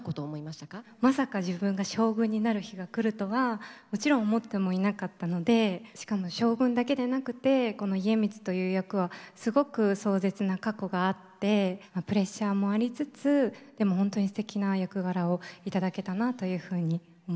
まさか自分が将軍になる日が来るとはもちろん思ってもいなかったのでしかも将軍だけでなくてこの家光という役はすごく壮絶な過去があってプレッシャーもありつつでも本当にすてきな役柄を頂けたなというふうに思いました。